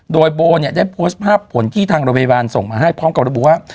โดยโบได้โพสต์ภาพผลที่ทางรบบิวัลส่งมาให้พร้อมกับระบุว่า